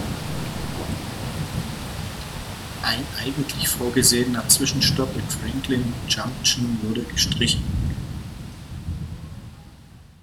Ein eigentlich vorgesehener Zwischenstopp in Franklin Junction wurde gestrichen.